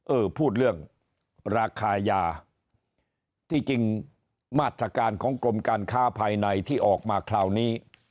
เออพูดเรื่องราคายาที่จริงมาตรการของกรมการค้าภายในที่ออกมาคราวนี้